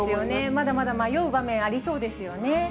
まだまだ迷う場面ありそうですよね。